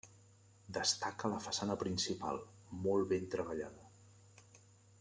Destaca la façana principal, molt ben treballada.